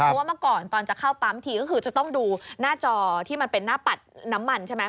เพราะว่าเมื่อก่อนตอนจะเข้าปั๊มทีก็คือจะต้องดูหน้าจอที่มันเป็นหน้าปัดน้ำมันใช่ไหม